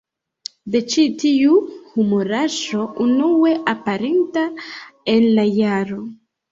De ĉi tiu humoraĵo, unue aperinta en la jaro